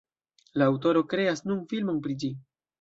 La aŭtoro kreas nun filmon pri ĝi.